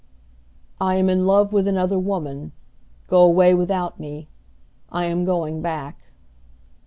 "I am in love with another woman. Go away without me. I am going back."